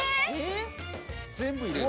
全部入れる。